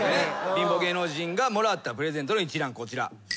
貧乏芸能人がもらったプレゼントの一覧こちら。